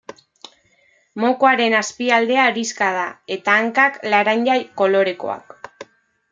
Mokoaren azpialdea horixka da, eta hankak laranja kolorekoak.